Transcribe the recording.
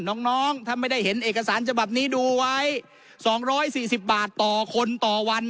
น้องน้องถ้าไม่ได้เห็นเอกสารฉบับนี้ดูไว้สองร้อยสี่สิบบาทต่อคนต่อวัน